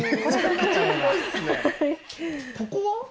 ここは？